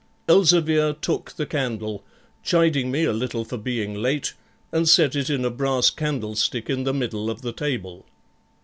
Elzevir took the candle, chiding me a little for being late, and set it in a brass candlestick in the middle of the table.